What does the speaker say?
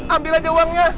ambil aja uangnya